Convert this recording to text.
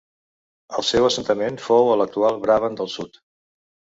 El seu assentament fou a l'actual Brabant del sud.